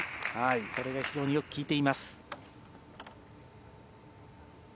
これが非常によく効いています。